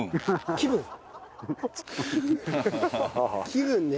気分ね。